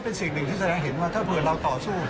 เป็นสิ่งหนึ่งที่แสดงเห็นว่าถ้าเผื่อเราต่อสู้